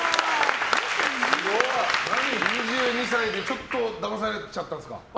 ２２歳で、ちょっとだまされちゃったんですか。